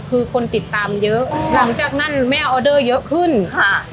คือคนติดตามเยอะหลังจากนั้นแม่ออเดอร์เยอะขึ้นค่ะ